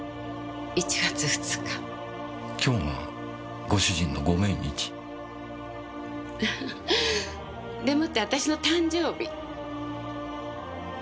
今日がご主人のご命日。でもってあたしの誕生日。